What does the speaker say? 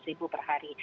lima ratus ribu per hari